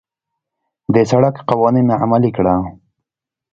د سړک قوانين عملي کړه.